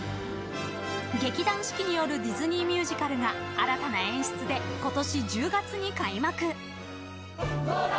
劇団四季によるディズニーミュージカルが新たな演出で今年１０月に開幕。